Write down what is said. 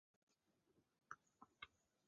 说声新年恭喜